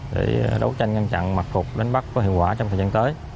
để đấu tranh ngăn chặn mặt cục đánh bắt có hiệu quả trong thời gian tới